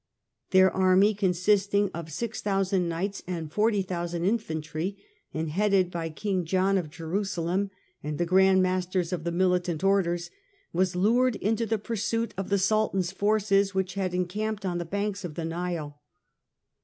Their army, consisting of 6000 knights and 40,000 infantry, and headed by King John of Jerusalem and the Grand Masters of the militant orders, was lured into the pursuit of the Sultan's forces which had encamped on the banks of the Nile.